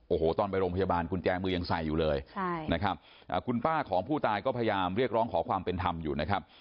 โอ้โหตอนไปโรงพยาบาลกุญแจมือยังใส่อยู่เลยใช่นะครับคุณป้าของผู้ตายก็พยายามเรียกร้องขอความเป็นธรรมอยู่นะครับ